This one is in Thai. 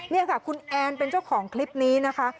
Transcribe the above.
นี่ค่ะคุณแอนเป็นเจ้าของคลิปนี้นะคะ